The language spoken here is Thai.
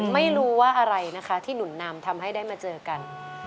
ไม่รู้ว่าอะไรนะคะที่หนุนนำทำให้ได้มาเจอกัน